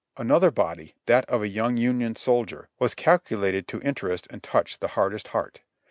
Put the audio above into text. Another body, that of a young Union soldier, was calculated to interest and touch the hardest heart.